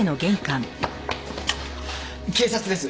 警察です。